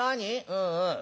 うんうん。